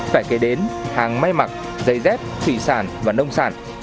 phải kể đến hàng may mặc giấy dép thủy sản và nông sản